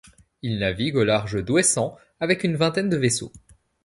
Il navigue au large d’Ouessant avec une vingtaine de vaisseaux.